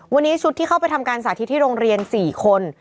วันนี้ชุดที่เข้าไปทำการสาธิตที่โรงเรียน๔คน